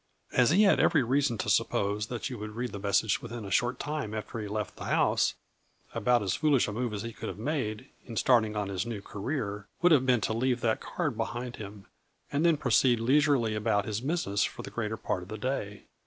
As he had every reason to suppose that you would read the message within a short time after he left the house, about as foolish a move as he could have made, in starting on his new career, would have been to leave that card behind him, and thfen proceed leisurely about his busi ness for the greater part of the day.